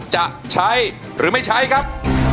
จะใช้หรือไม่ใช้ครับ